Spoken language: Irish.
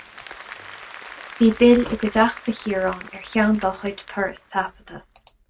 Bhí Bill i gcuideachta Chiarán ar cheann dá chuid turas taifeadta.